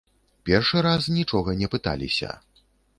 Першы раз нічога не пыталіся.